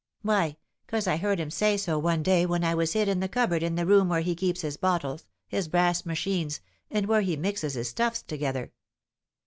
"Why, 'cause I heard him say so one day when I was hid in the cupboard in the room where he keeps his bottles, his brass machines, and where he mixes his stuffs together."